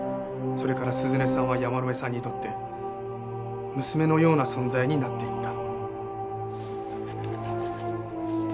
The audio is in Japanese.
それから涼音さんは山野辺さんにとって娘のような存在になっていった。